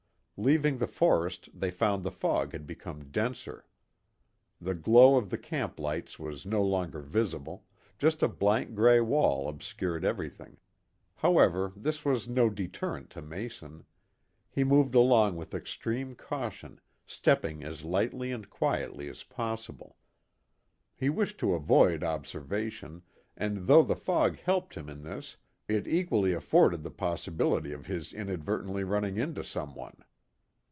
Leaving the forest they found the fog had become denser. The glow of the camp lights was no longer visible, just a blank gray wall obscured everything. However, this was no deterrent to Mason. He moved along with extreme caution, stepping as lightly and quietly as possible. He wished to avoid observation, and though the fog helped him in this it equally afforded the possibility of his inadvertently running into some one.